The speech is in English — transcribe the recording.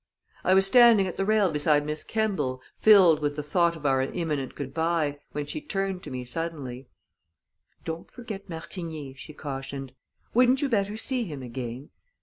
I was standing at the rail beside Miss Kemball, filled with the thought of our imminent good by, when she turned to me suddenly. "Don't forget Martigny," she cautioned. "Wouldn't you better see him again?"